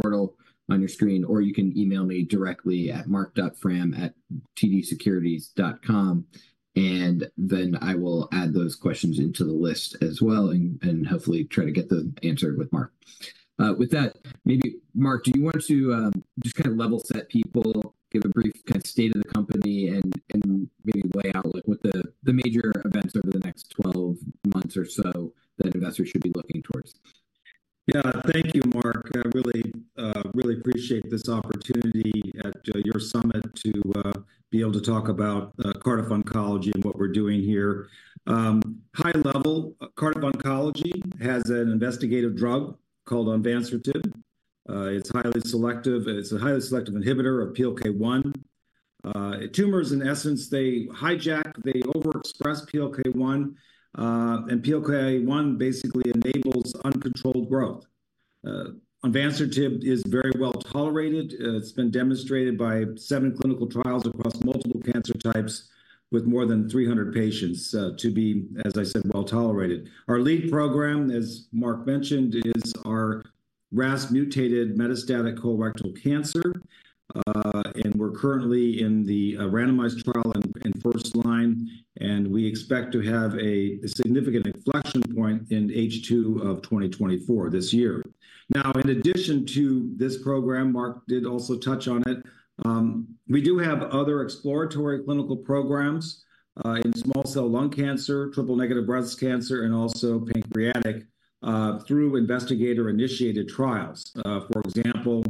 portal on your screen, or you can email me directly at mark.frahm@tdsecurities.com, and then I will add those questions into the list as well and hopefully try to get them answered with Mark. With that, maybe, Mark, do you want to just kind of level set people, give a brief kind of state of the company and maybe lay out, like, what the major events over the next 12 months or so that investors should be looking towards? Yeah. Thank you, Mark. I really really appreciate this opportunity at your summit to be able to talk about Cardiff Oncology and what we're doing here. High level, Cardiff Oncology has an investigative drug called onvansertib. It's highly selective, it's a highly selective inhibitor of PLK1. Tumors, in essence, they hijack, they overexpress PLK1, and PLK1 basically enables uncontrolled growth. Onvansertib is very well-tolerated. It's been demonstrated by seven clinical trials across multiple cancer types with more than 300 patients to be, as I said, well-tolerated. Our lead program, as Mark mentioned, is our RAS mutated metastatic colorectal cancer. And we're currently in the randomized trial and first line, and we expect to have a significant inflection point in H2 of 2024, this year. Now, in addition to this program, Mark did also touch on it, we do have other exploratory clinical programs in small cell lung cancer, triple-negative breast cancer, and also pancreatic through investigator-initiated trials. For example,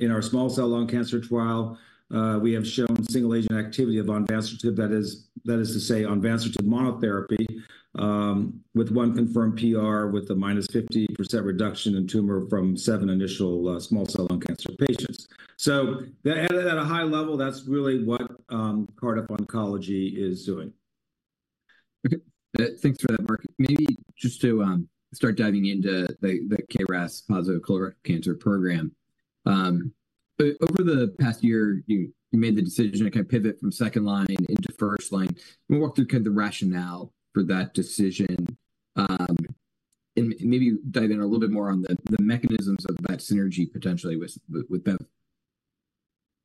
in our small cell lung cancer trial, we have shown single-agent activity of onvansertib, that is to say, onvansertib monotherapy, with one confirmed PR with a -50% reduction in tumor from seven initial small cell lung cancer patients. So at a high level, that's really what Cardiff Oncology is doing. Okay. Thanks for that, Mark. Maybe just to start diving into the KRAS positive colorectal cancer program. Over the past year, you made the decision to kind of pivot from second line into first line. Can you walk through kind of the rationale for that decision, and maybe dive in a little bit more on the mechanisms of that synergy potentially with Bev?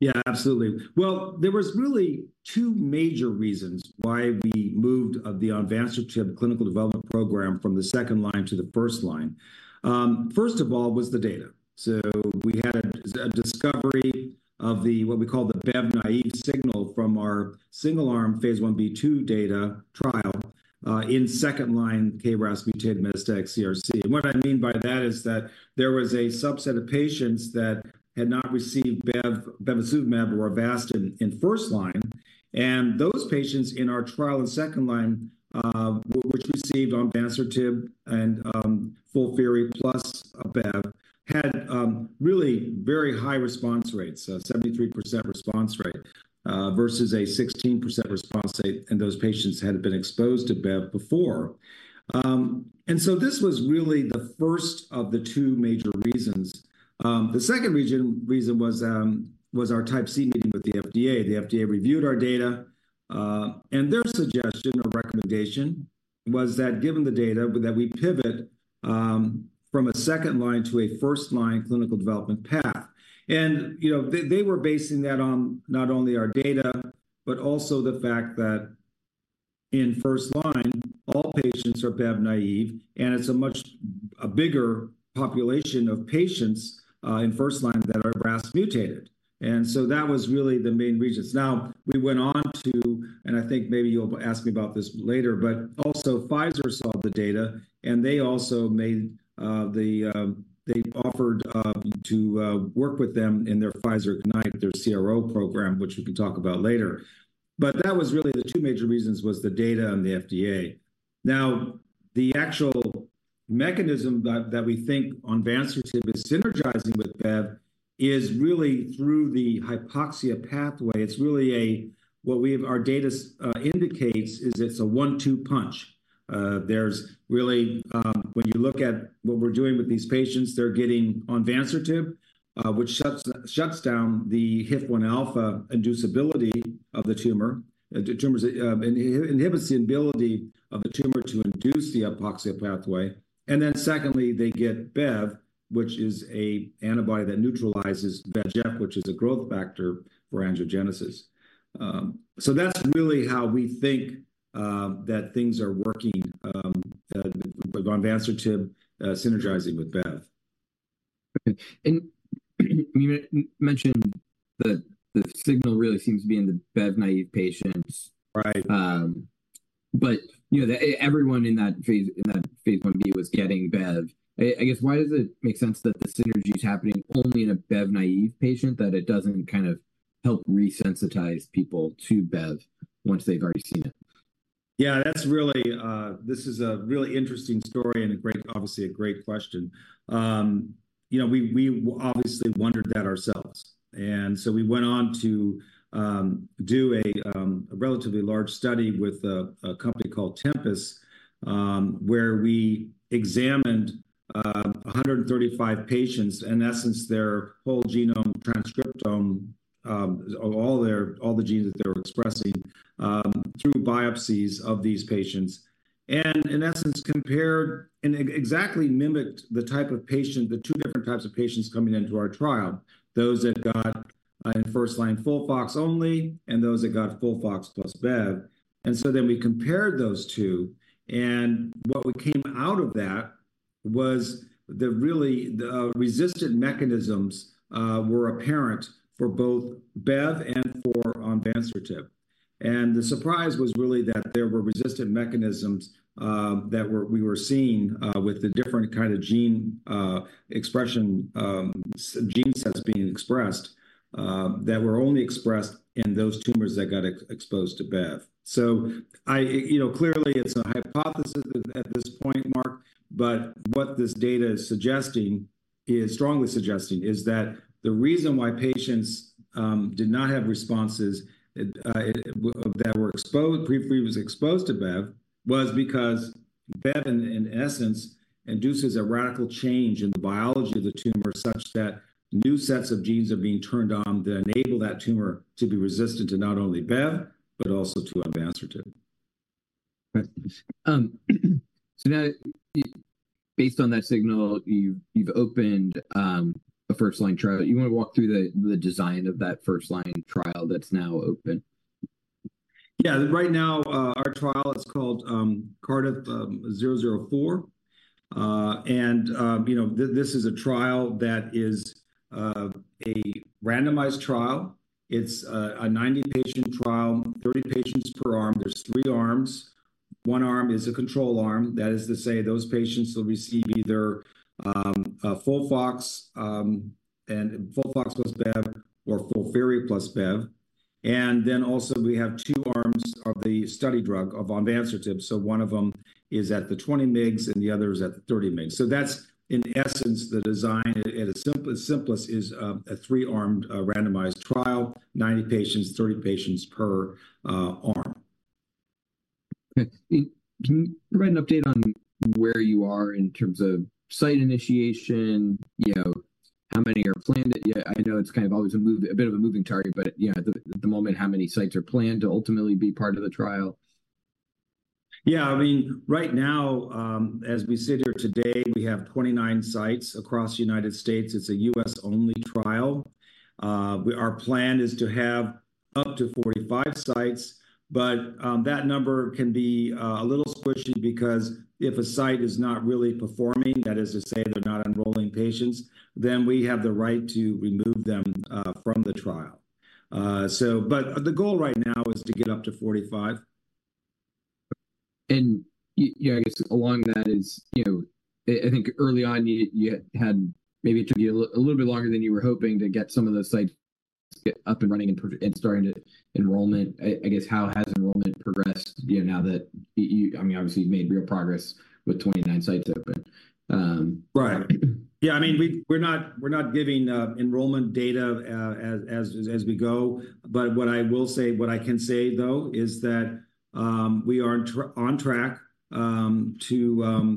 Yeah, absolutely. Well, there was really two major reasons why we moved the onvansertib clinical development program from the second line to the first line. First of all, was the data. So we had a discovery of what we call the Bev-naïve signal from our single-arm Phase 1b/2 trial in second-line KRAS-mutated metastatic CRC. And what I mean by that is that there was a subset of patients that had not received Bev, bevacizumab or Avastin in first line, and those patients in our trial in second line which received onvansertib and FOLFIRI plus Bev had really very high response rates, 73% response rate versus a 16% response rate in those patients had been exposed to Bev before. And so this was really the first of the two major reasons. The second reason was our Type C meeting with the FDA. The FDA reviewed our data, and their suggestion or recommendation was that given the data, but that we pivot from a second line to a first-line clinical development path. And, you know, they were basing that on not only our data, but also the fact that in first line, all patients are Bev-naïve, and it's a much bigger population of patients in first line that are RAS mutated. And so that was really the main reasons. Now, we went on to, and I think maybe you'll ask me about this later, but also Pfizer saw the data, and they also made the... They offered to work with them in their Pfizer Ignite, their CRO program, which we can talk about later. But that was really the two major reasons, was the data and the FDA. Now, the actual mechanism that we think onvansertib is synergizing with Bev is really through the hypoxia pathway. It's really what our data indicates is it's a one-two punch. There's really when you look at what we're doing with these patients, they're getting onvansertib, which shuts down the HIF-1 alpha inducibility of the tumor. It inhibits the ability of the tumor to induce the hypoxia pathway. And then secondly, they get Bev, which is a antibody that neutralizes VEGF, which is a growth factor for angiogenesis. So that's really how we think that things are working with onvansertib synergizing with Bev. Okay. And you mentioned that the signal really seems to be in the Bev-naïve patients. Right. But, you know, everyone in that phase, in that Phase 1b was getting Bev. I guess, why does it make sense that the synergy is happening only in a Bev-naïve patient, that it doesn't kind of help resensitize people to Bev once they've already seen it? Yeah, that's really, this is a really interesting story and a great, obviously a great question. You know, we, we obviously wondered that ourselves, and so we went on to do a relatively large study with a company called Tempus, where we examined 135 patients, in essence, their whole genome transcriptome, all their-- all the genes that they were expressing, through biopsies of these patients... and in essence, compared and exactly mimicked the type of patient, the two different types of patients coming into our trial. Those that got, in first line FOLFOX only, and those that got FOLFOX plus Bev. And so then we compared those two, and what we came out of that was the really, the, resistant mechanisms were apparent for both Bev and for onvansertib. And the surprise was really that there were resistant mechanisms that we were seeing with the different kind of gene expression gene sets being expressed that were only expressed in those tumors that got exposed to Bev. So I, you know, clearly it's a hypothesis at this point, Mark, but what this data is suggesting is strongly suggesting is that the reason why patients did not have responses that were previously exposed to Bev was because Bev in essence induces a radical change in the biology of the tumor such that new sets of genes are being turned on that enable that tumor to be resistant to not only Bev but also to onvansertib. Right. So now, based on that signal, you've opened a first-line trial. You wanna walk through the design of that first-line trial that's now open? Yeah. Right now, our trial is called Cardiff-004. You know, this is a trial that is a randomized trial. It's a 90-patient trial, 30 patients per arm. There's three arms. One arm is a control arm. That is to say, those patients will receive either FOLFOX and FOLFOX plus Bev or FOLFIRI plus Bev. And then also we have two arms of the study drug, of onvansertib. So one of them is at the 20 mg and the other is at the 30 mg. So that's, in essence, the design. At its simplest, simplest, is a three-armed randomized trial, 90 patients, 30 patients per arm. Okay. Can you provide an update on where you are in terms of site initiation? You know, how many are planned? Yeah, I know it's kind of always a bit of a moving target, but, you know, at the moment, how many sites are planned to ultimately be part of the trial? Yeah, I mean, right now, as we sit here today, we have 29 sites across the United States. It's a U.S.-only trial. Our plan is to have up to 45 sites, but that number can be a little squishy because if a site is not really performing, that is to say they're not enrolling patients, then we have the right to remove them from the trial. But the goal right now is to get up to 45. Yeah, I guess along that is, you know, I think early on, you had... maybe it took you a little bit longer than you were hoping to get some of the sites up and running and starting to enrollment. I guess, how has enrollment progressed, you know, now that you, I mean, obviously, you've made real progress with 29 sites open. Right. Yeah, I mean, we, we're not, we're not giving enrollment data as we go. But what I will say, what I can say, though, is that we are on track to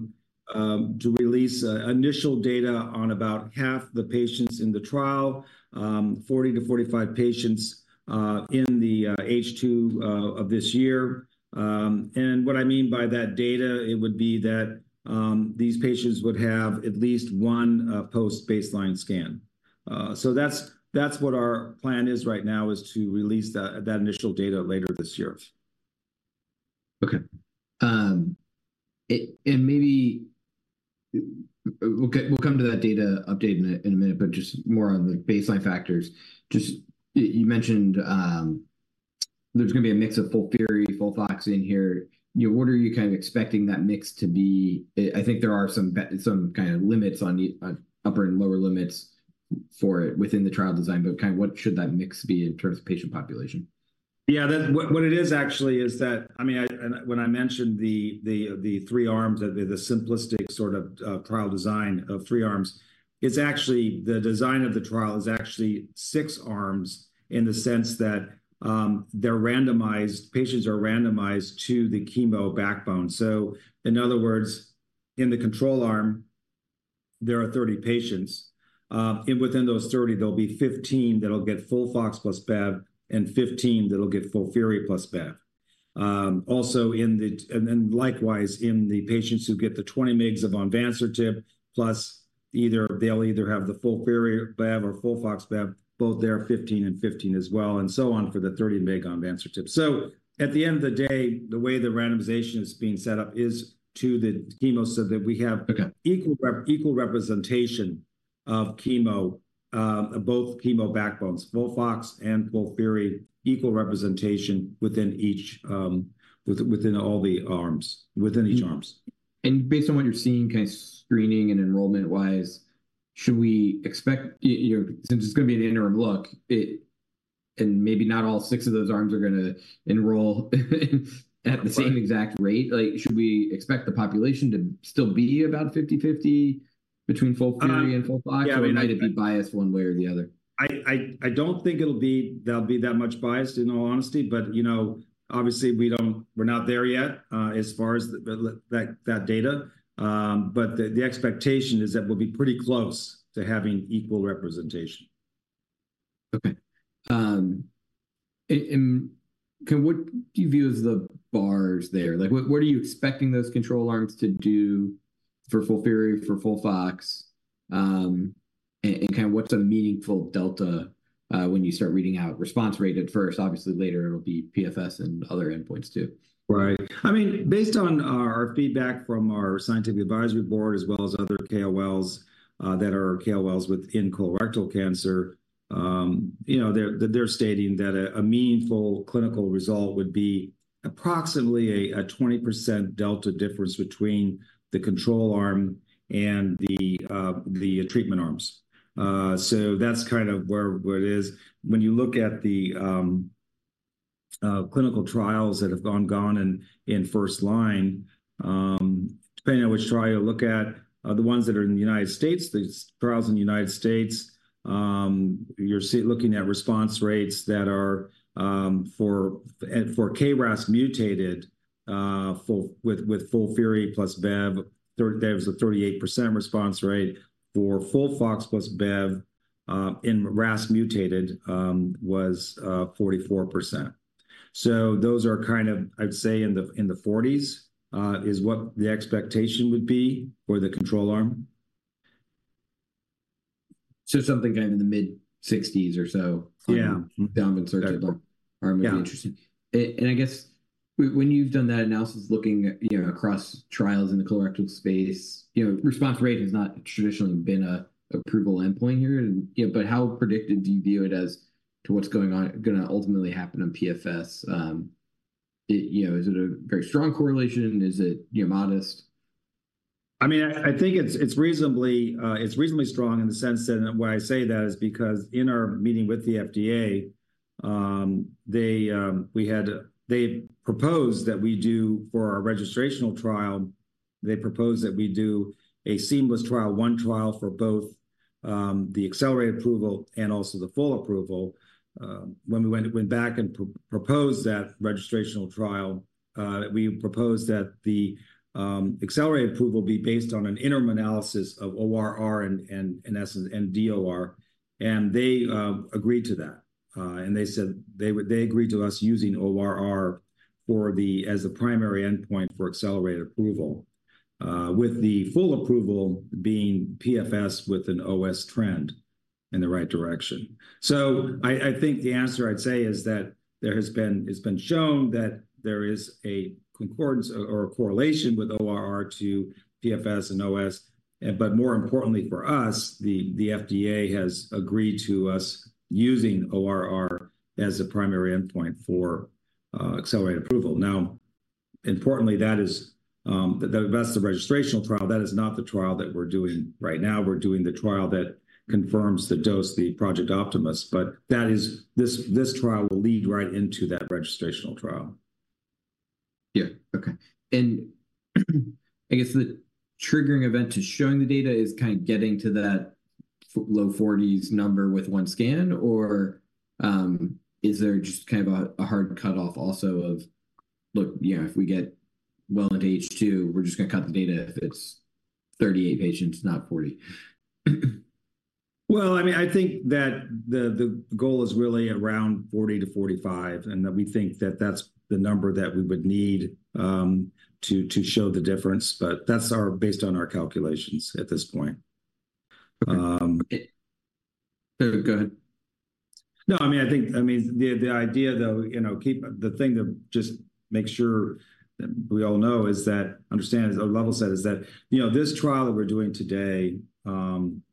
release initial data on about half the patients in the trial, 40-45 patients, in the H2 of this year. And what I mean by that data, it would be that these patients would have at least one post-baseline scan. So that's, that's what our plan is right now, is to release that, that initial data later this year. Okay. And maybe we'll get, we'll come to that data update in a minute, but just more on the baseline factors. Just, you mentioned, there's gonna be a mix of FOLFIRI, FOLFOX in here. You know, what are you kind of expecting that mix to be? I think there are some some kind of limits on the upper and lower limits for it within the trial design, but kind of what should that mix be in terms of patient population? Yeah, that's what it is actually is that, I mean, and when I mentioned the three arms, the simplistic sort of trial design of three arms, it's actually the design of the trial is actually six arms, in the sense that they're randomized. Patients are randomized to the chemo backbone. So in other words, in the control arm, there are 30 patients. And within those 30, there'll be 15 that'll get FOLFOX plus Bev, and 15 that'll get FOLFIRI plus Bev. And then likewise, in the patients who get the 20 mg of onvansertib, plus either they'll have the FOLFIRI, Bev or FOLFOX, Bev, both there, 15 and 15 as well, and so on for the 30 mg onvansertib. At the end of the day, the way the randomization is being set up is to the chemo, so that we have- Okay... equal representation of chemo, both chemo backbones, FOLFOX and FOLFIRI, equal representation within each, within all the arms, within each arms. And based on what you're seeing, kind of screening and enrollment-wise, should we expect... you know, since it's gonna be an interim look, it and maybe not all 6 of those arms are gonna enroll, at the same exact rate. Like, should we expect the population to still be about 50/50 between FOLFIRI and FOLFOX? Um, yeah- Or might it be biased one way or the other? I don't think there'll be that much bias, in all honesty. But, you know, obviously, we're not there yet, as far as the, like, that data. But the expectation is that we'll be pretty close to having equal representation. Okay, and can what do you view as the bars there? Like, what are you expecting those control arms to do for FOLFIRI, for FOLFOX? And kind of what's a meaningful delta when you start reading out response rate at first? Obviously, later it'll be PFS and other endpoints too. Right. I mean, based on our feedback from our scientific advisory board, as well as other KOLs that are KOLs within colorectal cancer, you know, they're stating that a meaningful clinical result would be approximately a 20% delta difference between the control arm and the treatment arms. So that's kind of where it is. When you look at the clinical trials that have gone in first line, depending on which trial you look at, the ones that are in the United States, these trials in the United States, you're looking at response rates that are for KRAS mutated with FOLFIRI plus Bev, there was a 38% response rate. For FOLFOX plus Bev in RAS mutated was 44%. Those are kind of, I'd say, in the forties, is what the expectation would be for the control arm. So something kind of in the mid-60s or so- Yeah. down in surgical arm Yeah. Would be interesting. And I guess when you've done that analysis looking, you know, across trials in the colorectal space, you know, response rate has not traditionally been an approval endpoint here. And, you know, but how predictive do you view it as to what's going on, gonna ultimately happen on PFS? You know, is it a very strong correlation? Is it, you know, modest? I mean, I think it's reasonably strong in the sense that when I say that is because in our meeting with the FDA, they proposed that we do, for our registrational trial, they proposed that we do a seamless trial, one trial for both, the accelerated approval and also the full approval. When we went back and proposed that registrational trial, we proposed that the accelerated approval be based on an interim analysis of ORR and in essence DOR, and they agreed to that. And they said they agreed to us using ORR as a primary endpoint for accelerated approval, with the full approval being PFS with an OS trend in the right direction. So I think the answer I'd say is that it's been shown that there is a concordance or a correlation with ORR to PFS and OS. But more importantly for us, the FDA has agreed to us using ORR as a primary endpoint for accelerated approval. Now, importantly, that is, that's the registrational trial. That is not the trial that we're doing right now. We're doing the trial that confirms the dose, the Project Optimus, but that is... This trial will lead right into that registrational trial. Yeah. Okay. And, I guess the triggering event to showing the data is kind of getting to that low 40s number with one scan, or, is there just kind of a hard cutoff also of, "Look, you know, if we get well into H2, we're just gonna cut the data if it's 38 patients, not 40? Well, I mean, I think that the goal is really around 40-45, and that we think that that's the number that we would need to show the difference, but that's based on our calculations at this point. Okay. Go ahead. No, I mean, I think, I mean, the idea, though, you know, the thing to just make sure that we all know is that, understand as a level set, is that, you know, this trial that we're doing today,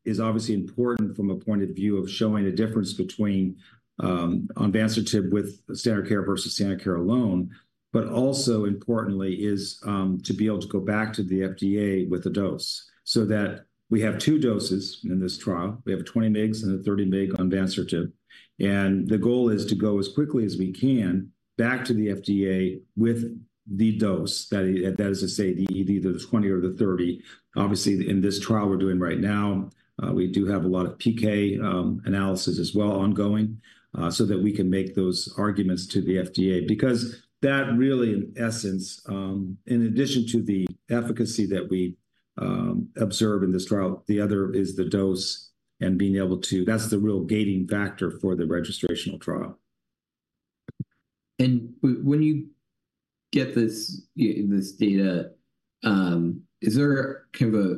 is obviously important from a point of view of showing a difference between, onvansertib with standard care versus standard care alone, but also importantly is, to be able to go back to the FDA with a dose. So that we have two doses in this trial. We have 20 mg and 30 mg onvansertib. And the goal is to go as quickly as we can back to the FDA with the dose, that is, that is to say, the, either the 20 or the 30. Obviously, in this trial we're doing right now, we do have a lot of PK analysis as well, ongoing, so that we can make those arguments to the FDA. Because that really, in essence, in addition to the efficacy that we observe in this trial, the other is the dose and being able to, that's the real gating factor for the registrational trial. When you get this, this data, is there kind of a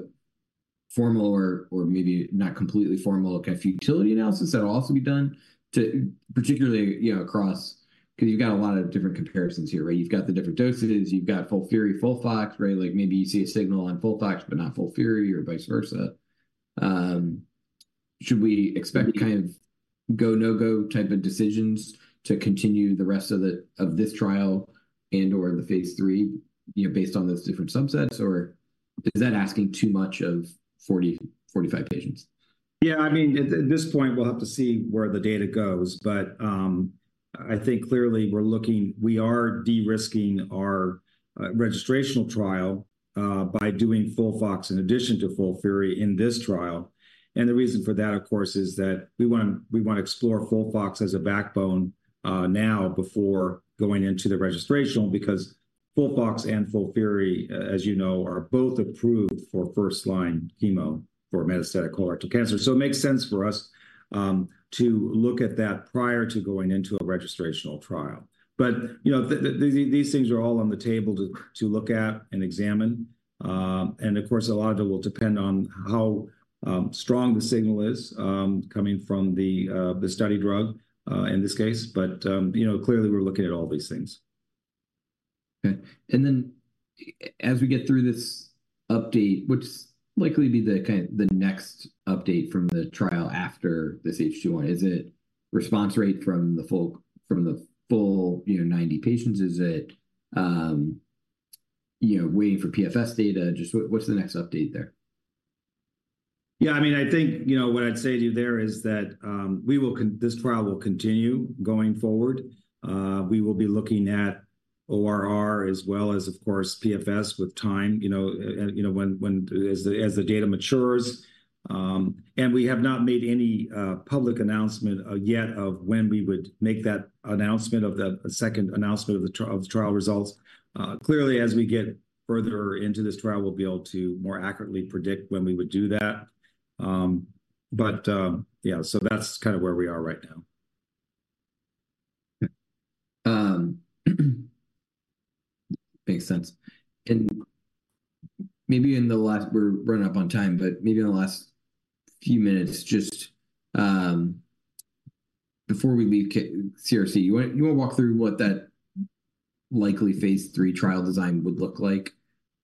formal or, or maybe not completely formal, like a futility analysis that will also be done to particularly, you know, across... Because you've got a lot of different comparisons here, right? You've got the different dosages, you've got FOLFIRI, FOLFOX, right? Like, maybe you see a signal on FOLFOX, but not FOLFIRI, or vice versa. Should we expect kind of go, no-go type of decisions to continue the rest of the, of this trial and/or the Phase 3, you know, based on those different subsets, or is that asking too much of 40-45 patients? Yeah. I mean, at this point, we'll have to see where the data goes. But I think clearly we are de-risking our registrational trial by doing FOLFOX in addition to FOLFIRI in this trial. And the reason for that, of course, is that we wanna explore FOLFOX as a backbone now before going into the registrational because FOLFOX and FOLFIRI, as you know, are both approved for first-line chemo for metastatic colorectal cancer. So it makes sense for us to look at that prior to going into a registrational trial. But you know, these things are all on the table to look at and examine. And of course, a lot of it will depend on how strong the signal is coming from the study drug in this case. You know, clearly we're looking at all these things. Okay. And then, as we get through this update, what's likely to be the next update from the trial after this H2 20? Is it response rate from the full, you know, 90 patients? Is it, you know, waiting for PFS data? Just what's the next update there? Yeah, I mean, I think, you know, what I'd say to you there is that, This trial will continue going forward. We will be looking at ORR, as well as, of course, PFS with time, you know, and, you know, when, as the data matures. And we have not made any public announcement yet of when we would make that announcement of the second announcement of the trial results. Clearly, as we get further into this trial, we'll be able to more accurately predict when we would do that. But, yeah, so that's kind of where we are right now. Okay. Makes sense. We're running up on time, but maybe in the last few minutes, just, before we leave CRC, you want, you want to walk through what that likely Phase 3 trial design would look like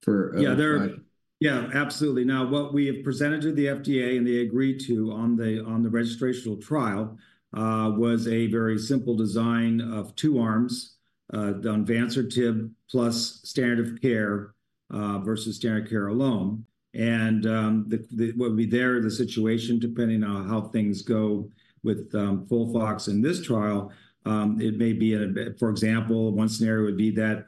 for, the trial? Yeah, absolutely. Now, what we have presented to the FDA, and they agreed to on the registrational trial, was a very simple design of two arms, onvansertib plus standard of care, versus standard care alone. The situation, depending on how things go with FOLFOX in this trial, it may be, for example, one scenario would be that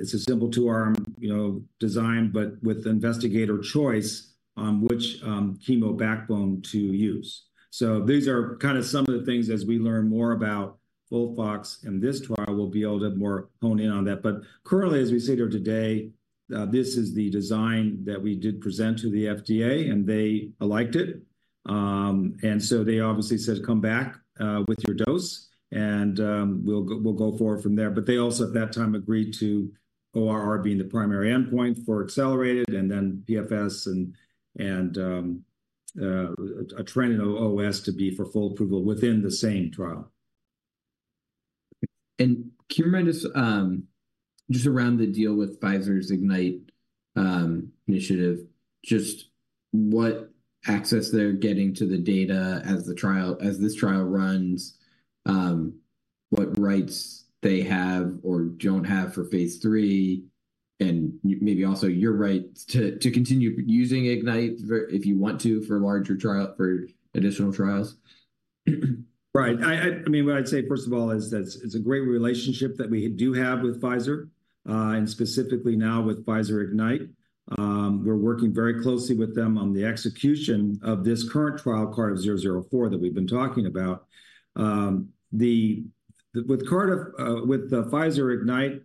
it's a simple two-arm, you know, design, but with investigator choice on which chemo backbone to use. So these are kind of some of the things as we learn more about FOLFOX in this trial, we'll be able to more hone in on that. But currently, as we sit here today, this is the design that we did present to the FDA, and they liked it. And so they obviously said, "Come back, with your dose, and, we'll go, we'll go forward from there." But they also, at that time, agreed to ORR being the primary endpoint for accelerated, and then PFS and, and, a trend in OS to be for full approval within the same trial. Can you remind us, just around the deal with Pfizer's Ignite initiative, just what access they're getting to the data as the trial, as this trial runs, what rights they have or don't have for Phase 3, and maybe also your right to continue using Ignite if you want to, for larger trial, for additional trials? Right. I mean, what I'd say, first of all, is that it's a great relationship that we do have with Pfizer, and specifically now with Pfizer Ignite. We're working very closely with them on the execution of this current trial, Cardiff-004, that we've been talking about. With Cardiff with the Pfizer Ignite,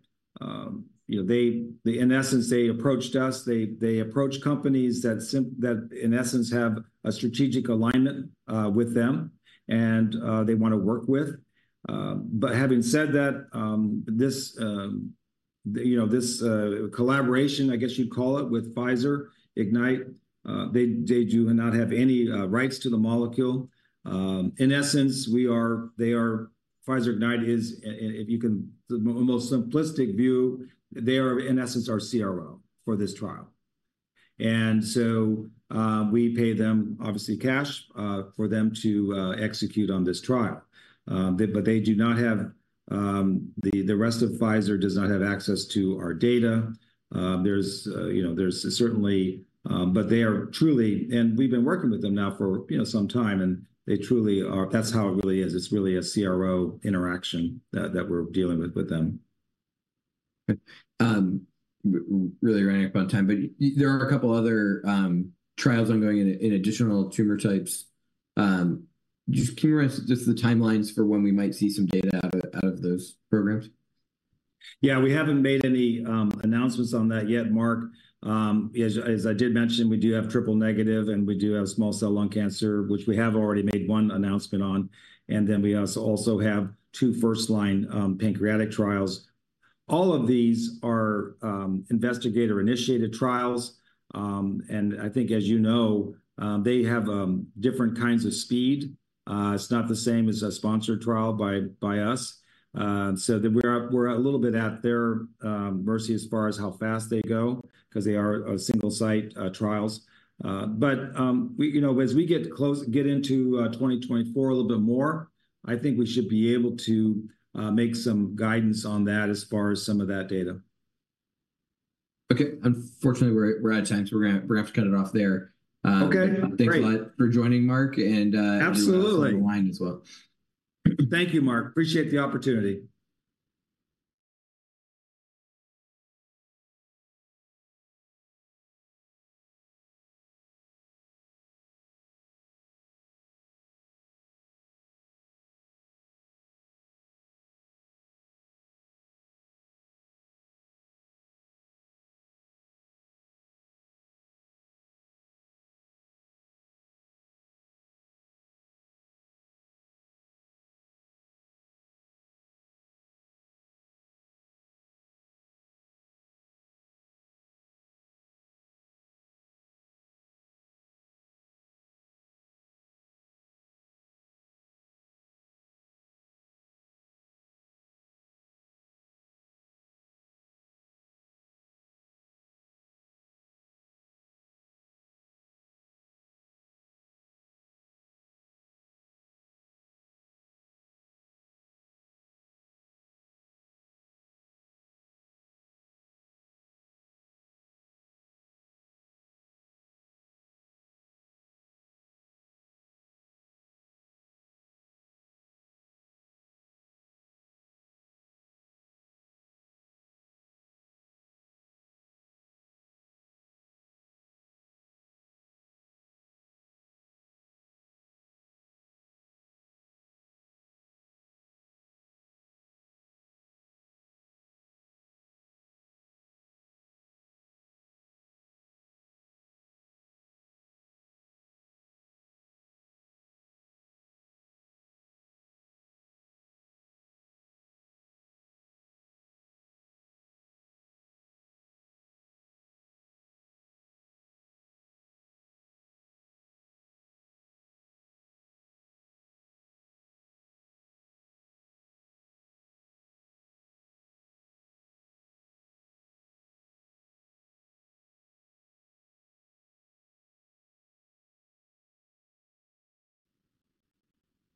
you know, they in essence they approached us. They approached companies that in essence have a strategic alignment with them and they wanna work with. But having said that, you know, this collaboration, I guess you'd call it, with Pfizer Ignite, they do not have any rights to the molecule. In essence, Pfizer Ignite is... if you can... The most simplistic view, they are, in essence, our CRO for this trial. So, we pay them obviously cash, for them to execute on this trial. But they do not have. The rest of Pfizer does not have access to our data. You know, there's certainly, but they are truly-- and we've been working with them now for, you know, some time, and they truly are-- that's how it really is. It's really a CRO interaction that we're dealing with with them. Okay. We're really running up on time, but there are a couple other trials ongoing in additional tumor types. Just can you run us just the timelines for when we might see some data out of those programs? Yeah, we haven't made any announcements on that yet, Mark. As I did mention, we do have triple-negative, and we do have small cell lung cancer, which we have already made one announcement on. And then we also have two first-line pancreatic trials. All of these are investigator-initiated trials. And I think, as you know, they have different kinds of speed. It's not the same as a sponsored trial by us. So then we're a little bit at their mercy as far as how fast they go, 'cause they are single-site trials. But we, you know, as we get into 2024 a little bit more, I think we should be able to make some guidance on that as far as some of that data. Okay. Unfortunately, we're out of time, so we're gonna have to cut it off there. Okay, great. Thanks a lot for joining, Mark. Absolutely... everyone on the line as well. Thank you, Mark. Appreciate the opportunity. ...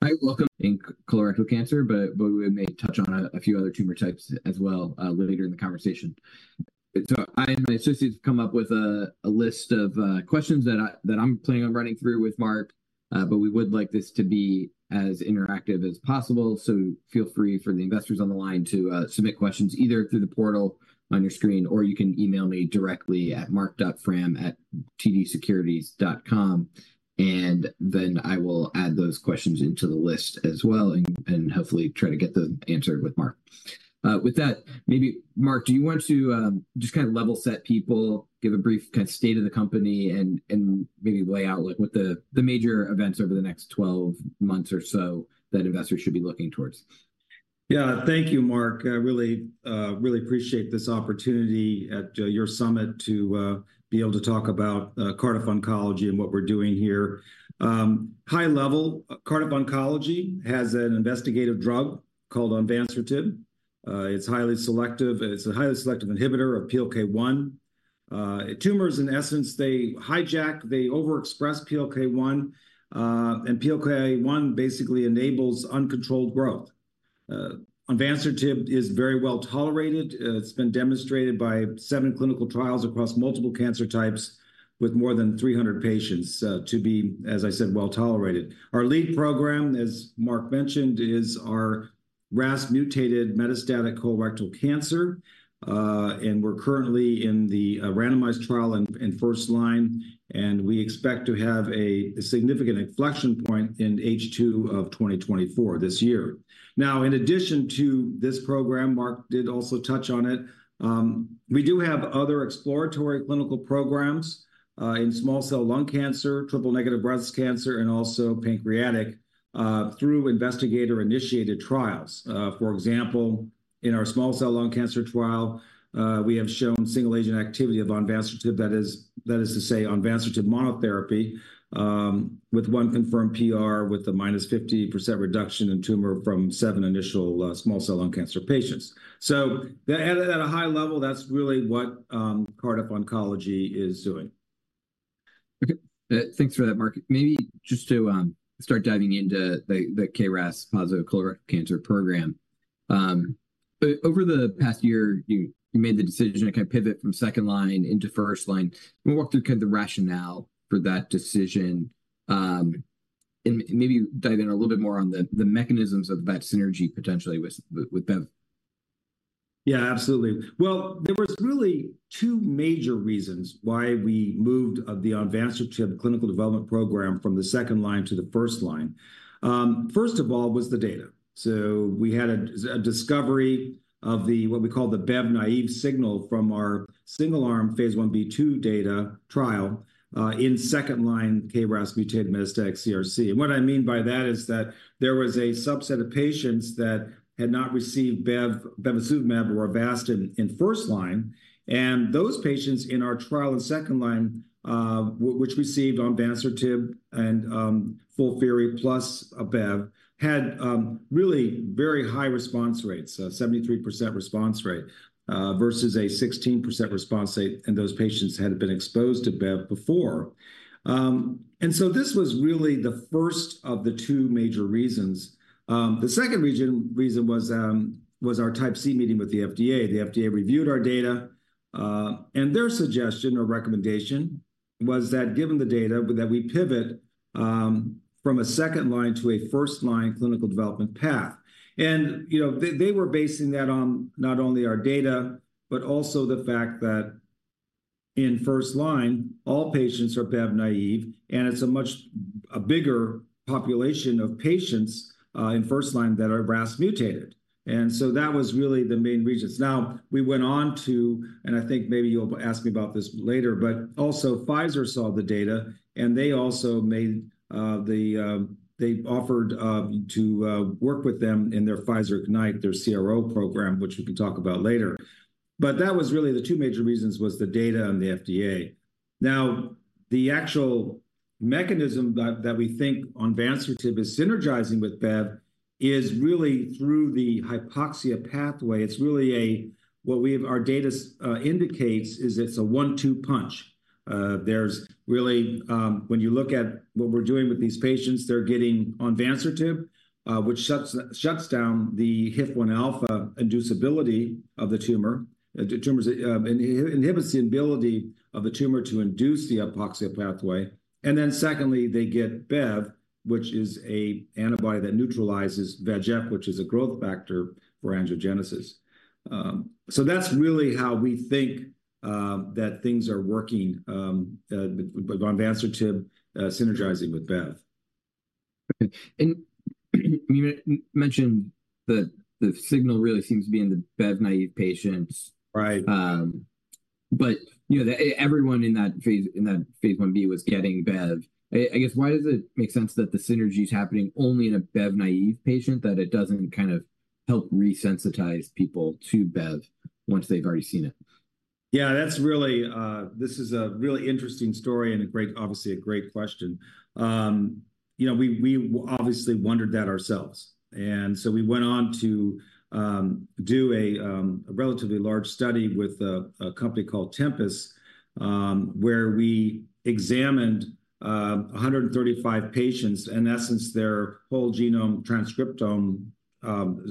Hi, welcome in colorectal cancer, but we may touch on a few other tumor types as well, later in the conversation. So I and my associates have come up with a list of questions that I'm planning on running through with Mark. But we would like this to be as interactive as possible. So feel free for the investors on the line to submit questions, either through the portal on your screen, or you can email me directly at mark.fram@tdsecurities.com, and then I will add those questions into the list as well and hopefully try to get them answered with Mark. With that, maybe, Mark, do you want to just kind of level set people, give a brief kind of state of the company, and maybe lay out, like, what the major events over the next 12 months or so that investors should be looking towards? Yeah. Thank you, Mark. I really really appreciate this opportunity at your summit to be able to talk about Cardiff Oncology and what we're doing here. High level, Cardiff Oncology has an investigational drug called onvansertib. It's highly selective. It's a highly selective inhibitor of PLK1. Tumors, in essence, they hijack, they overexpress PLK1, and PLK1 basically enables uncontrolled growth. Onvansertib is very well-tolerated. It's been demonstrated by seven clinical trials across multiple cancer types with more than 300 patients to be, as I said, well-tolerated. Our lead program, as Mark mentioned, is our RAS-mutated metastatic colorectal cancer. And we're currently in the randomized trial and first line, and we expect to have a significant inflection point in H2 of 2024, this year. Now, in addition to this program, Mark did also touch on it, we do have other exploratory clinical programs in small cell lung cancer, triple-negative breast cancer, and also pancreatic through investigator-initiated trials. For example, in our small cell lung cancer trial, we have shown single-agent activity of onvansertib, that is, that is to say, onvansertib monotherapy, with one confirmed PR, with a -50% reduction in tumor from 7 initial small cell lung cancer patients. So at a high level, that's really what Cardiff Oncology is doing. Okay. Thanks for that, Mark. Maybe just to start diving into the KRAS-positive colorectal cancer program. Over the past year, you made the decision to kind of pivot from second line into first line. Can you walk through kind of the rationale for that decision, and maybe dive in a little bit more on the mechanisms of that synergy potentially with Bev? Yeah, absolutely. Well, there was really two major reasons why we moved the onvansertib clinical development program from the second line to the first line. First of all, was the data. So we had a discovery of the, what we call the Bev-naïve signal from our single-arm phase 1b/2 data trial in second-line KRAS-mutated metastatic CRC. And what I mean by that is that there was a subset of patients that had not received Bev-bevacizumab or Avastin in first line, and those patients in our trial in second line, which received onvansertib and FOLFIRI plus a Bev, had really very high response rates, 73% response rate versus a 16% response rate, in those patients who had been exposed to Bev before. And so this was really the first of the two major reasons. The second reason was our Type C meeting with the FDA. The FDA reviewed our data, and their suggestion or recommendation was that, given the data, that we pivot from a second-line to a first-line clinical development path. And, you know, they, they were basing that on not only our data but also the fact that in first line, all patients are Bev naive, and it's a much bigger population of patients in first line that are RAS mutated. And so that was really the main reasons. Now, we went on to, and I think maybe you'll ask me about this later, but also Pfizer saw the data, and they also made, they offered to work with them in their Pfizer Ignite, their CRO program, which we can talk about later. But that was really the two major reasons, was the data and the FDA. Now, the actual mechanism that we think onvansertib is synergizing with BEV is really through the hypoxia pathway. It's really a one-two punch. Our data indicates it's a one-two punch. There's really, when you look at what we're doing with these patients, they're getting onvansertib, which shuts down the HIF-1 alpha inducibility of the tumor. It inhibits the ability of the tumor to induce the hypoxia pathway. And then, secondly, they get BEV, which is an antibody that neutralizes VEGF, which is a growth factor for angiogenesis. So that's really how we think that things are working with onvansertib synergizing with BEV. Okay. And you mentioned that the signal really seems to be in the BEV-naive patients. Right. But, you know, everyone in that phase, in that Phase 1b was getting BEV. I guess, why does it make sense that the synergy is happening only in a BEV-naive patient, that it doesn't kind of help resensitize people to BEV once they've already seen it? Yeah, that's really this is a really interesting story and a great, obviously a great question. You know, we obviously wondered that ourselves. And so we went on to do a relatively large study with a company called Tempus, where we examined 135 patients, in essence, their whole genome transcriptome,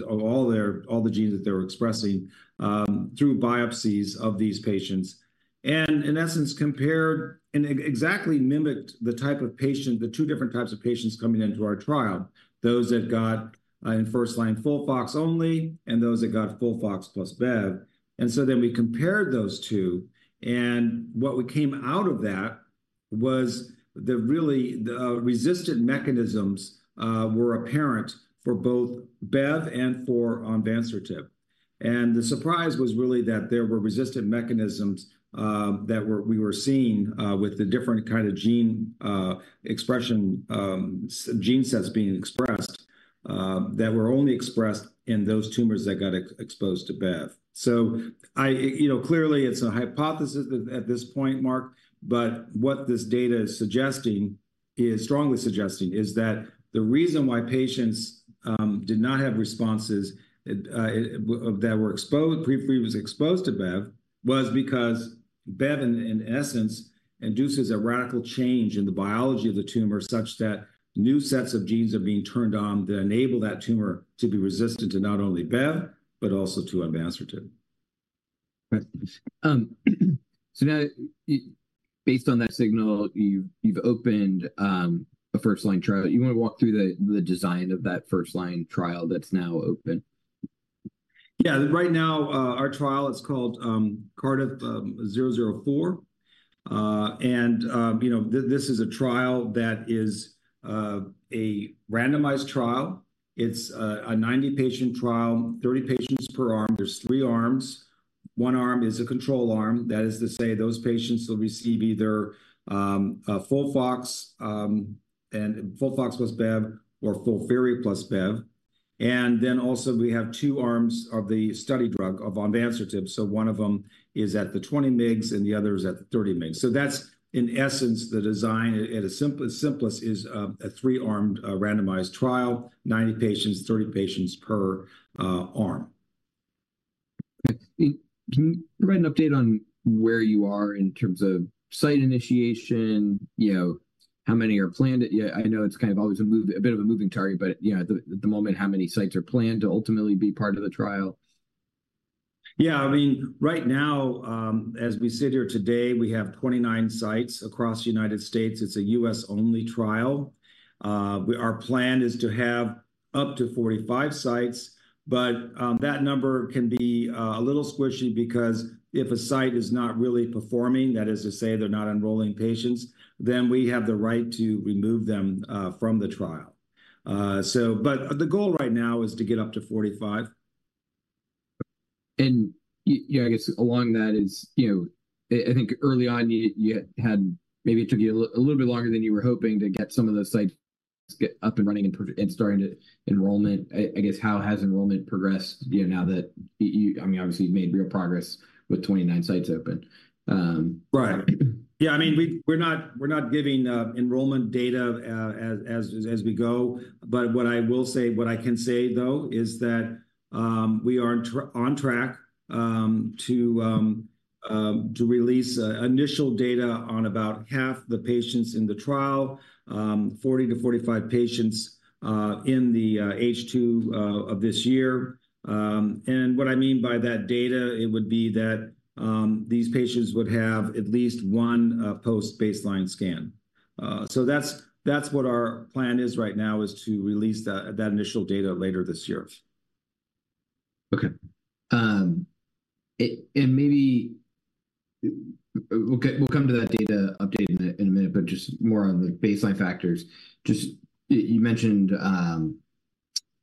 all the genes that they were expressing, through biopsies of these patients. And in essence, compared and exactly mimicked the type of patient, the two different types of patients coming into our trial: those that got in first-line FOLFOX only, and those that got FOLFOX plus BEV. And so then, we compared those two, and what we came out of that was really the resistant mechanisms were apparent for both BEV and for onvansertib. And the surprise was really that there were resistant mechanisms that we were seeing with the different kind of gene expression gene sets being expressed that were only expressed in those tumors that got exposed to BEV. So I... You know, clearly, it's a hypothesis at this point, Mark, but what this data is suggesting is, strongly suggesting, is that the reason why patients did not have responses who were previously exposed to BEV was because BEV, in essence, induces a radical change in the biology of the tumor, such that new sets of genes are being turned on that enable that tumor to be resistant to not only BEV but also to onvansertib. Right. So now, based on that signal, you've opened a first-line trial. You wanna walk through the design of that first-line trial that's now open? Yeah. Right now, our trial is called Cardiff-004. And you know, this is a trial that is a randomized trial. It's a 90-patient trial, 30 patients per arm. There's 3 arms. One arm is a control arm. That is to say, those patients will receive either FOLFOX and FOLFOX plus BEV or FOLFIRI plus BEV. And then also, we have two arms of the study drug, of onvansertib. So one of them is at the 20 mg and the other is at the 30 mg. So that's, in essence, the design. At its simplest, simplest, is a 3-armed randomized trial, 90 patients, 30 patients per arm. Okay. Can you provide an update on where you are in terms of site initiation? You know, how many are planned? Yeah, I know it's kind of always a bit of a moving target, but, you know, at the moment, how many sites are planned to ultimately be part of the trial? Yeah, I mean, right now, as we sit here today, we have 29 sites across the United States. It's a U.S.-only trial. Our plan is to have up to 45 sites, but, that number can be, a little squishy because if a site is not really performing, that is to say, they're not enrolling patients, then we have the right to remove them, from the trial. But the goal right now is to get up to 45. Yeah, I guess along that is, you know, I think early on, you had maybe it took you a little bit longer than you were hoping to get some of those sites get up and running and starting to enrollment. I guess, how has enrollment progressed, you know, now that you... I mean, obviously, you've made real progress with 29 sites open. Right. Yeah, I mean, we're not, we're not giving enrollment data as we go. But what I will say, what I can say though, is that we are on track to release initial data on about half the patients in the trial, 40-45 patients in the H2 of this year. And what I mean by that data, it would be that these patients would have at least one post-baseline scan. So that's, that's what our plan is right now, is to release that initial data later this year.... Okay. And maybe we'll come to that data update in a minute, but just more on the baseline factors. Just you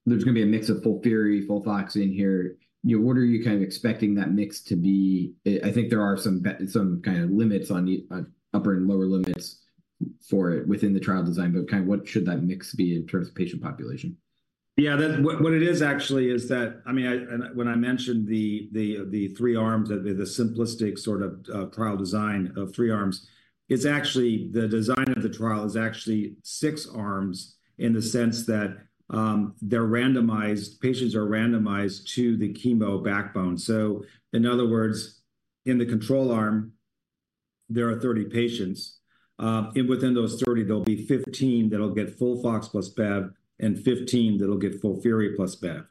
mentioned, there's gonna be a mix of FOLFIRI, FOLFOX in here. You know, what are you kind of expecting that mix to be? I think there are some kind of limits on the upper and lower limits for it within the trial design, but kind of what should that mix be in terms of patient population? Yeah, what it is actually is that, I mean, and when I mentioned the three arms, the simplistic sort of trial design of three arms, it's actually the design of the trial is actually six arms in the sense that, they're randomized, patients are randomized to the chemo backbone. So in other words, in the control arm, there are 30 patients. And within those 30, there'll be 15 that'll get FOLFOX plus BEV and 15 that'll get FOLFIRI plus BEV.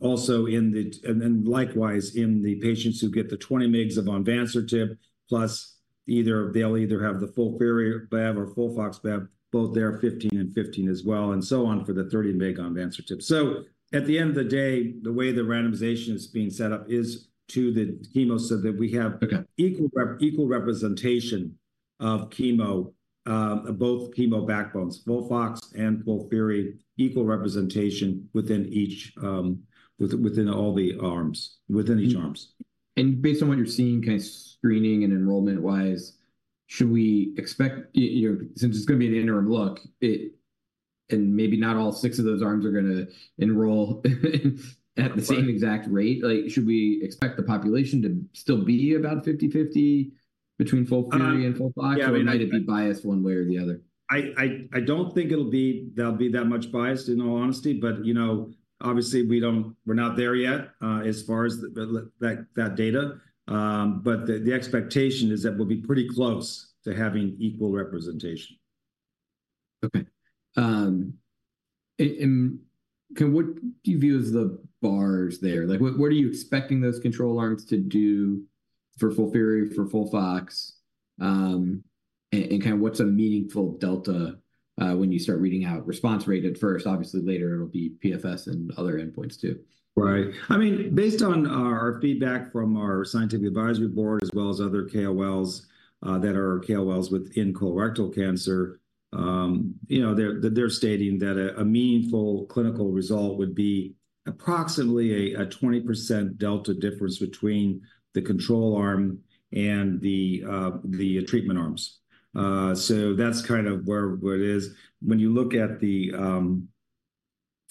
Also, and likewise, in the patients who get the 20 mg of onvansertib, plus either they'll have the FOLFIRI, BEV or FOLFOX BEV, both there are 15 and 15 as well, and so on for the 30 mg onvansertib. At the end of the day, the way the randomization is being set up is to the chemo, so that we have- Okay... equal representation of chemo, both chemo backbones, FOLFOX and FOLFIRI, equal representation within each, within all the arms, within each arms. And based on what you're seeing, kind of, screening and enrollment-wise, should we expect... you know, since it's gonna be an interim look, and maybe not all six of those arms are gonna enroll, at the same exact rate. Like, should we expect the population to still be about 50/50 between FOLFIRI and FOLFOX? Um, yeah. Or might it be biased one way or the other? I don't think there'll be that much bias, in all honesty, but, you know, obviously, we're not there yet, as far as the, like, that data. But the expectation is that we'll be pretty close to having equal representation. Okay. And can... What do you view as the bars there? Like, what are you expecting those control arms to do for FOLFIRI, for FOLFOX? And kind of what's a meaningful delta, when you start reading out response rate at first? Obviously, later, it'll be PFS and other endpoints too. Right. I mean, based on our feedback from our scientific advisory board, as well as other KOLs that are KOLs within colorectal cancer, you know, they're stating that a meaningful clinical result would be approximately a 20% delta difference between the control arm and the treatment arms. So that's kind of where it is. When you look at the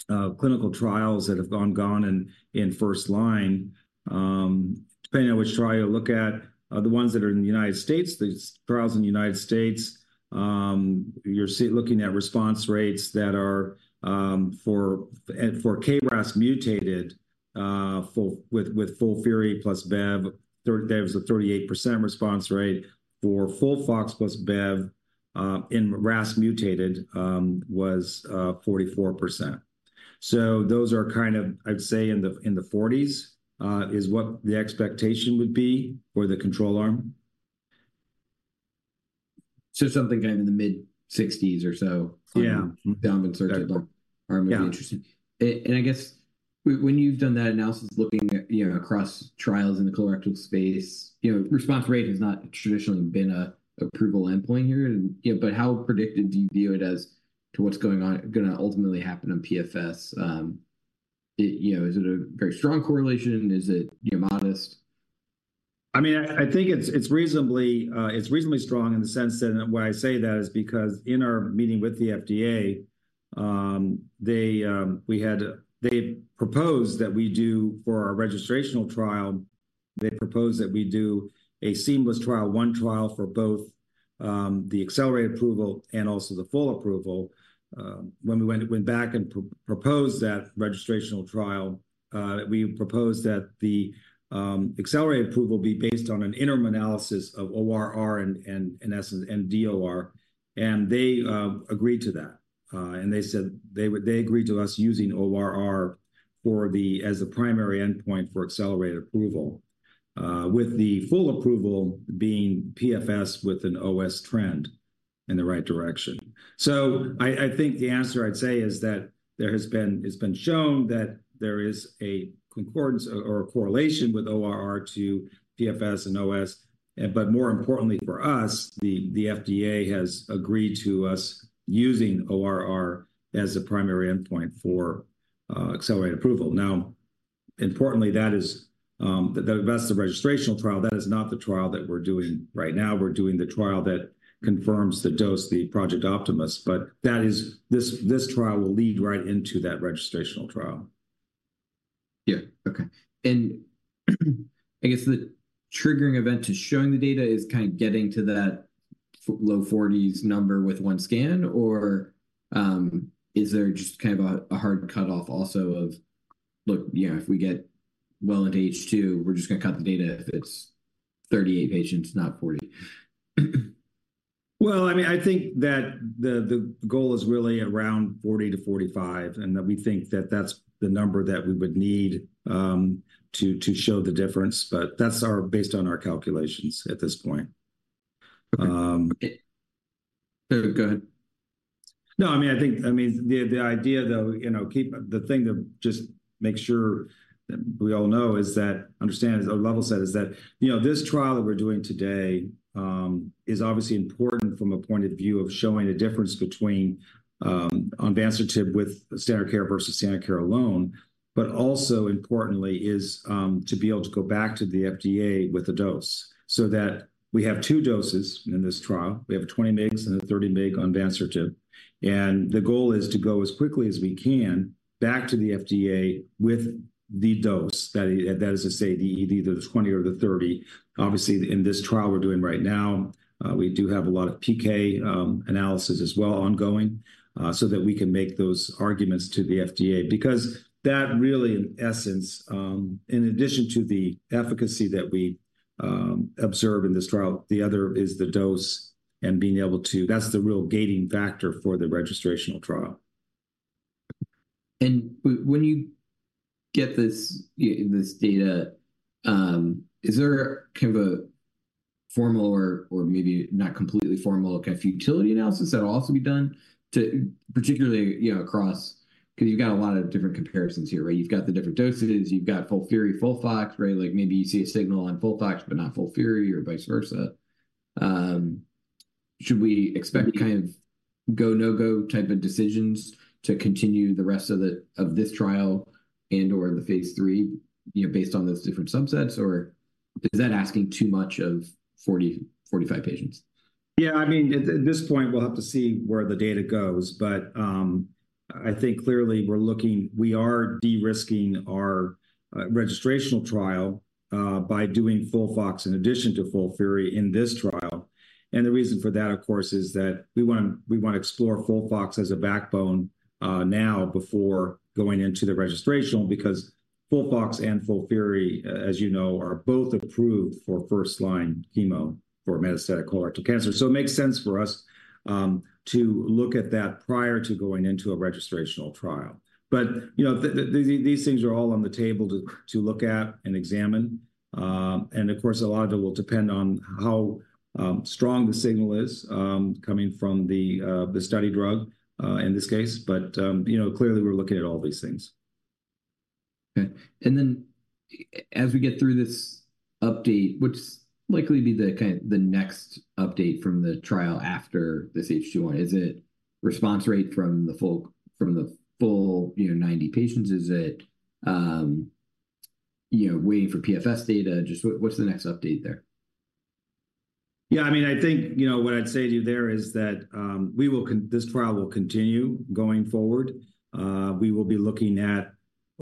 clinical trials that have gone in first line, depending on which trial you look at, the ones that are in the United States, the trials in the United States, you're looking at response rates that are for KRAS mutated with FOLFIRI plus BEV, there was a 38% response rate. For FOLFOX plus BEV in RAS mutated was 44%. Those are kind of, I'd say, in the 40s, is what the expectation would be for the control arm. Something kind of in the mid-60s or so- Yeah on the onvansertib arm Yeah. Would be interesting. And I guess when you've done that analysis, looking at, you know, across trials in the colorectal space, you know, response rate has not traditionally been an approval endpoint here. And, you know, but how predictive do you view it as to what's gonna ultimately happen on PFS? You know, is it a very strong correlation? Is it, you know, modest? I mean, I think it's reasonably strong in the sense that when I say that is because in our meeting with the FDA, they proposed that we do... For our registrational trial, they proposed that we do a seamless trial, one trial for both, the accelerated approval and also the full approval. When we went back and proposed that registrational trial, we proposed that the accelerated approval be based on an interim analysis of ORR and in essence DOR, and they agreed to that. And they agreed to us using ORR as a primary endpoint for accelerated approval, with the full approval being PFS with an OS trend in the right direction. So I, I think the answer, I'd say, is that there has been—it's been shown that there is a concordance or, or a correlation with ORR to PFS and OS. But more importantly for us, the FDA has agreed to us using ORR as a primary endpoint for accelerated approval. Now, importantly, that is, that's the registrational trial. That is not the trial that we're doing right now. We're doing the trial that confirms the dose, the Project Optimus, but that is... This, this trial will lead right into that registrational trial. Yeah. Okay. And, I guess the triggering event to showing the data is kind of getting to that low 40s number with one scan, or is there just kind of a hard cutoff also of, look, you know, if we get well into H2, we're just gonna cut the data if it's 38 patients, not 40? Well, I mean, I think that the goal is really around 40-45, and that we think that that's the number that we would need to show the difference, but that's our based on our calculations at this point. Okay. Go ahead.... No, I mean, I mean, the idea though, you know, keep the thing to just make sure that we all know is that, understand as a level set, is that, you know, this trial that we're doing today, is obviously important from a point of view of showing a difference between, onvansertib with standard care versus standard care alone. But also importantly is, to be able to go back to the FDA with a dose, so that we have two doses in this trial. We have a 20 mg and a 30 mg onvansertib. And the goal is to go as quickly as we can back to the FDA with the dose, that is, that is to say, either the 20 or the 30. Obviously, in this trial we're doing right now, we do have a lot of PK analysis as well ongoing, so that we can make those arguments to the FDA. Because that really, in essence, in addition to the efficacy that we observe in this trial, the other is the dose and being able to... That's the real gating factor for the registrational trial. When you get this, this data, is there kind of a formal or, or maybe not completely formal, like a futility analysis that will also be done to particularly, you know, across- because you've got a lot of different comparisons here, right? You've got the different doses, you've got FOLFIRI, FOLFOX, right? Like, maybe you see a signal on FOLFOX, but not FOLFIRI, or vice versa. Should we expect kind of go, no-go type of decisions to continue the rest of the, of this trial and, or the Phase III, you know, based on those different subsets, or is that asking too much of 40-45 patients? Yeah, I mean, at this point, we'll have to see where the data goes. But, I think clearly we're looking—we are de-risking our registrational trial by doing FOLFOX in addition to FOLFIRI in this trial. And the reason for that, of course, is that we wanna explore FOLFOX as a backbone now before going into the registrational, because FOLFOX and FOLFIRI, as you know, are both approved for first-line chemo for metastatic colorectal cancer. So it makes sense for us to look at that prior to going into a registrational trial. But, you know, these things are all on the table to look at and examine. And of course, a lot of it will depend on how strong the signal is coming from the study drug in this case. You know, clearly, we're looking at all these things. Okay. And then as we get through this update, what's likely to be the kind, the next update from the trial after this H2? Is it response rate from the full 90 patients? Is it, you know, waiting for PFS data? What's the next update there? Yeah, I mean, I think, you know, what I'd say to you there is that, we will this trial will continue going forward. We will be looking at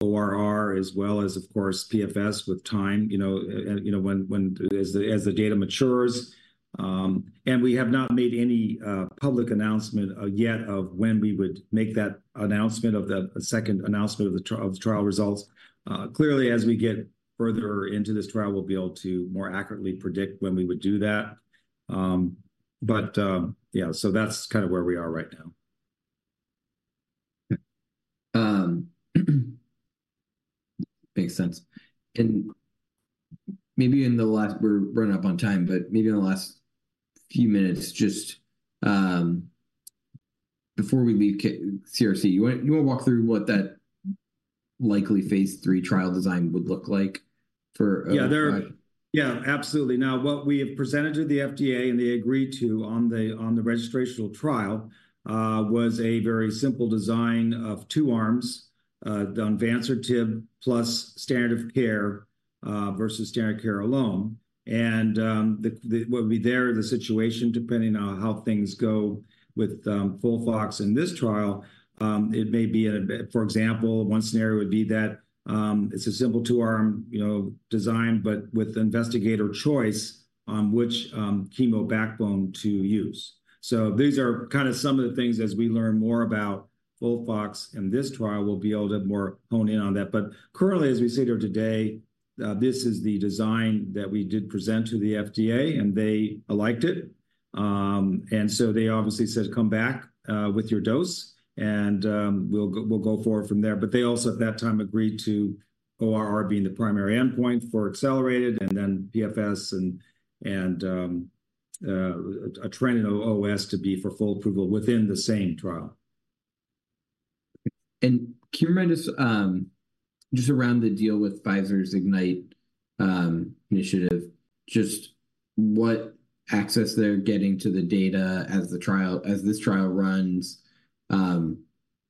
ORR as well as, of course, PFS with time, you know, you know, when as the data matures. And we have not made any, public announcement, yet of when we would make that announcement of the second announcement of the trial results. Clearly, as we get further into this trial, we'll be able to more accurately predict when we would do that. But, yeah, so that's kind of where we are right now. Makes sense. We're running up on time, but maybe in the last few minutes, just, before we leave mCRC, you wanna walk through what that likely Phase 3 trial design would look like for- Yeah, there- Uh. Yeah, absolutely. Now, what we have presented to the FDA, and they agreed to on the registrational trial, was a very simple design of two arms, the onvansertib plus standard of care, versus standard care alone. What would be the situation, depending on how things go with FOLFOX in this trial, it may be, for example, one scenario would be that it's a simple two-arm, you know, design, but with investigator choice on which chemo backbone to use. So these are kinda some of the things as we learn more about FOLFOX in this trial, we'll be able to more hone in on that. But currently, as we sit here today, this is the design that we did present to the FDA, and they liked it. And so they obviously said, "Come back with your dose, and we'll go forward from there." But they also, at that time, agreed to ORR being the primary endpoint for accelerated, and then PFS and a trend in OS to be for full approval within the same trial. Can you remind us, just around the deal with Pfizer's Ignite initiative, just what access they're getting to the data as the trial, as this trial runs,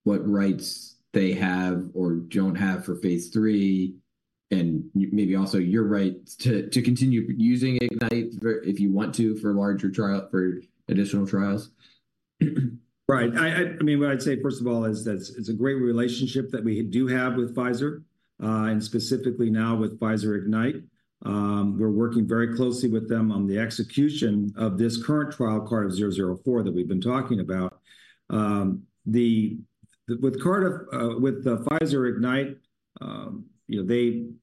what rights they have or don't have for Phase 3, and maybe also your right to continue using Ignite if you want to, for larger trial, for additional trials? Right. I mean, what I'd say, first of all, is that it's a great relationship that we do have with Pfizer, and specifically now with Pfizer Ignite. We're working very closely with them on the execution of this current trial, Cardiff-004, that we've been talking about. With the Pfizer Ignite, you know,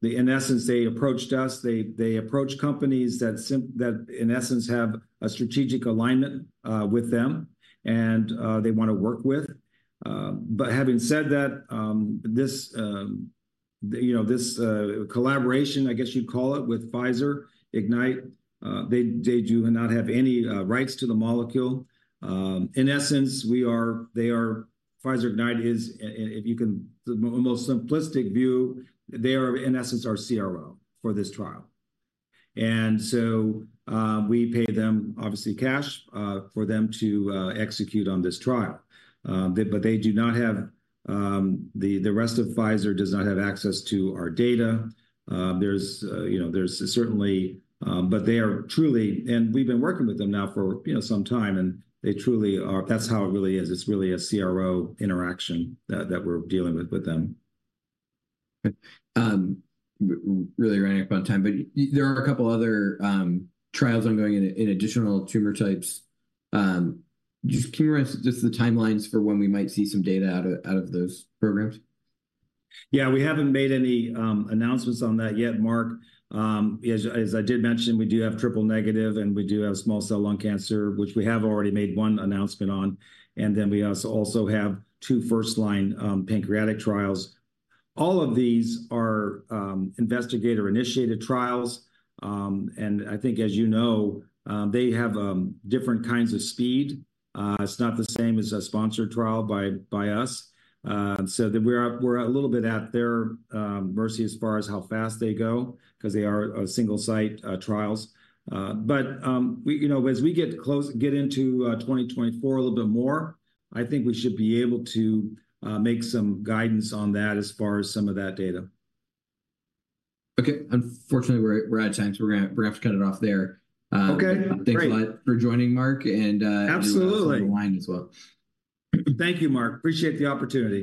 they, in essence, they approached us. They approached companies that, in essence, have a strategic alignment with them and they wanna work with.... But having said that, this, you know, this collaboration, I guess you'd call it, with Pfizer Ignite, they do not have any rights to the molecule. In essence, Pfizer Ignite is, if you can... The most simplistic view, they are, in essence, our CRO for this trial. And so, we pay them obviously cash for them to execute on this trial. But they do not have... The rest of Pfizer does not have access to our data. There's, you know, there's certainly, but they are truly. And we've been working with them now for, you know, some time, and they truly are. That's how it really is. It's really a CRO interaction that we're dealing with them. We're really running up on time, but there are a couple other trials ongoing in additional tumor types. Just, can you run us just the timelines for when we might see some data out of those programs? Yeah, we haven't made any announcements on that yet, Mark. As I did mention, we do have triple-negative, and we do have small cell lung cancer, which we have already made one announcement on, and then we also have 2 first-line pancreatic trials. All of these are investigator-initiated trials. And I think, as you know, they have different kinds of speed. It's not the same as a sponsored trial by us. So then we're a little bit at their mercy as far as how fast they go, 'cause they are single-site trials. But you know, as we get into 2024 a little bit more, I think we should be able to make some guidance on that as far as some of that data. Okay. Unfortunately, we're out of time, so we're gonna have to cut it off there. Okay, great. Thanks a lot for joining, Mark. Absolutely... your wine as well. Thank you, Mark. Appreciate the opportunity.